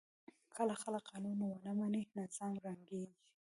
که خلک قانون ونه مني، نظام ړنګېږي.